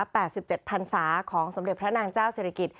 แปดสิบเจ็ดพันศาของสมเด็จพระนางเจ้าศิริกิจ